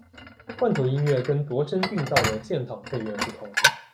罐头音乐跟度身订造的现场配乐不同。